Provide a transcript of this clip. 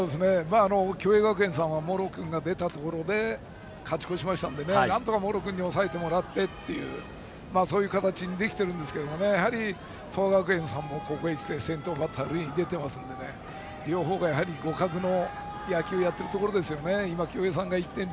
共栄学園さんは茂呂君が出たところで勝ち越しましたのでなんとか茂呂君に抑えてもらってとそういう形にできているんですけど東亜学園さんもここへきて先頭バッターが塁に出ていますので両方が互角の野球をやっていますね。